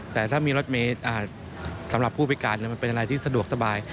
แต่ถ้ามีรถเมย์สำหรับผู้พิการมันเป็นอะไรที่สะดวกสบาย